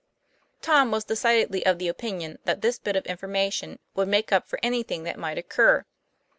" Tom was decidedly of the opinion that this bit of information would make up for anything that might occur.